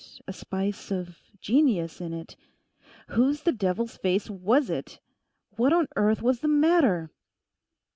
—a spice of genius in it. Whose the devil's face was it? What on earth was the matter?...